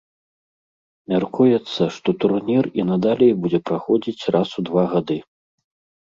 Мяркуецца, што турнір і надалей будзе праходзіць раз у два гады.